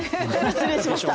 失礼しました。